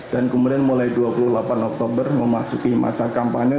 dan kemudian mulai dua puluh delapan oktober memasuki masa kampanye